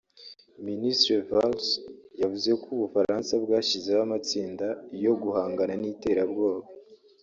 Minisitiri Valls yavuze ko u Bufaransa bwashyizeho amatsinda yo guhangana n’iterabwoba